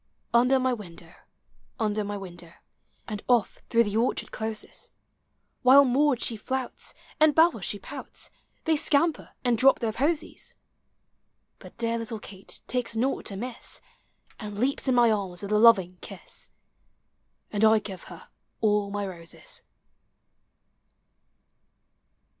Under my wiudow, under my window, And oil" through the orchard closes; While Maud she limits, and Bell she pouts, They scamper and drop their posies; But dear little Kate takes naught amiss. And leaps in my arms with a loving kiss. And 1 give her all my roses.